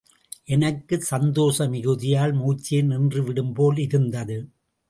எனக்கு சந்தோச மிகுதியால் மூச்சே நின்றுவிடும்போல் இருந்தது.